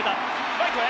ライトへ。